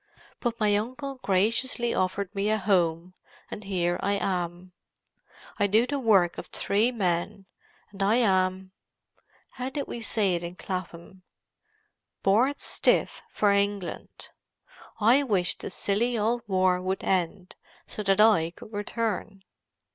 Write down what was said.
But my uncle graciously offered me a home, and here am I. I do the work of three men, and I am—how did we say it in Clapham?—bored stiff for England. I wish this silly old war would end, so that I could return."